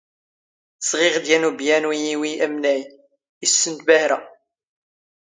ⵙⵖⵉⵖ ⴷ ⵢⴰⵏ ⵓⴱⵢⴰⵏⵓ ⵉ ⵉⵡⵉ ⴰⵎⵏⴰⵢ, ⵉⵙⵙⵓⵙⵎ ⵜ ⴱⴰⵀⵔⴰ